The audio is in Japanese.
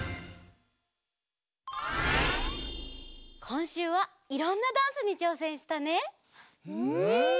こんしゅうはいろんなダンスにちょうせんしたね。